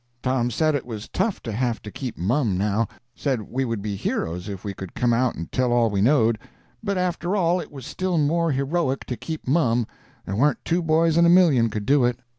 Tom said it was tough to have to keep mum now; said we would be heroes if we could come out and tell all we knowed; but after all, it was still more heroic to keep mum, there warn't two boys in a million could do it.